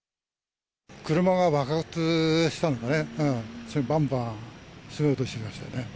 車が爆発したんだろうね、ばんばんすごい音しましたよね。